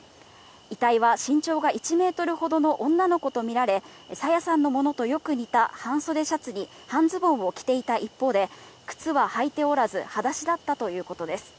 遺体は身長が１メートルほどの女の子と見られ、朝芽さんのものとよく似た半袖シャツに半ズボンを着ていた一方で、靴は履いておらず、はだしだったということです。